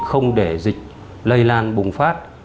không để dịch lây lan bùng phát